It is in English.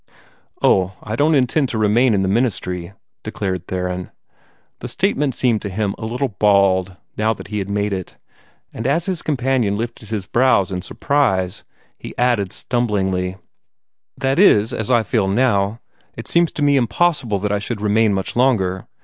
"Oh, I don't intend to remain in the ministry," declared Theron. The statement seemed to him a little bald, now that he had made it; and as his companion lifted his brows in surprise, he added stumblingly: "That is, as I feel now, it seems to me impossible that I should remain much longer.